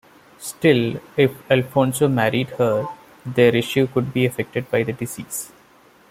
Still, if Alfonso married her, their issue could be affected by the disease.